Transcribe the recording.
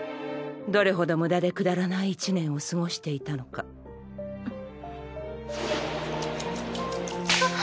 どれほど無駄でくだらない１年を過ごしていたのか。パシッ！